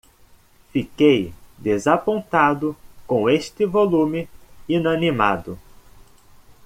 Fiquei desapontado com este volume inanimado.